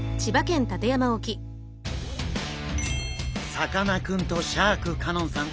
さかなクンとシャーク香音さん